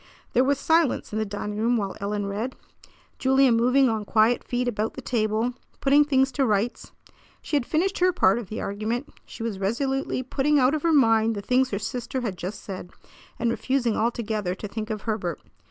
There was silence in the dining room while Ellen read, Julia moving on quiet feet about the table, putting things to rights. She had finished her part of the argument. She was resolutely putting out of her mind the things her sister had just said, and refusing altogether to think of Herbert.